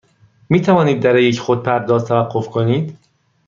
می توانید در یک خودپرداز توقف کنید؟